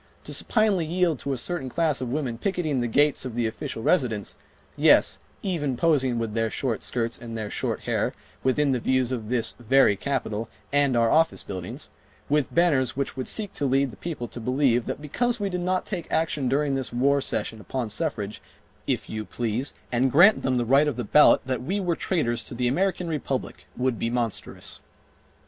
. To supinely yield to a certain class of women picketing the gates of the official residence,—yes, even posing with their short skirts and their short hair within the view of this 'very capitol and our office buildings,' with banners which would seek to lead the people to believe that because we did not take action during this war session upon suffrage, if you please, and grant them the right of the ballot that we were traitors to the American Republic, would be monstrous."